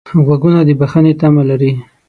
غوږونه د بښنې تمه لري